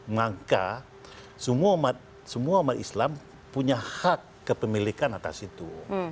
maka semua umat islam punya hak kepemilikan atas itu